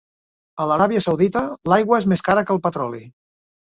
A l'Aràbia Saudita l'aigua és més cara que el petroli.